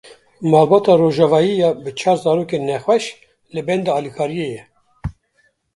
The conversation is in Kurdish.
Malbata Rojavayî ya bi çar zarokên nexweş li benda alîkariyê ye.